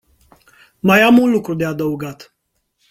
Mai am un lucru de adăugat.